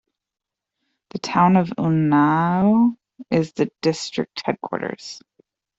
The town of Unnao is the district headquarters.